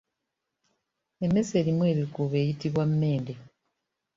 Emmese erimu ebikuubo eyitibwa mmende.